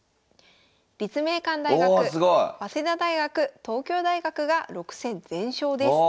立命館大学早稲田大学東京大学が６戦全勝です。